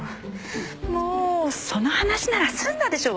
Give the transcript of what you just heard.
もうその話なら済んだでしょ。